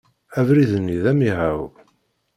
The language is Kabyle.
Abrid-nni d amihaw.